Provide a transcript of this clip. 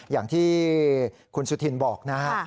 อย่างที่คุณสุธินบอกนะครับ